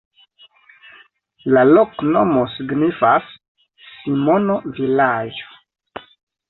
La loknomo signifas: Simono-vilaĝ'.